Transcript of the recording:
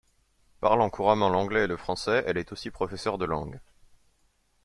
Parlant couramment l'anglais et le français, elle est aussi professeure de langues.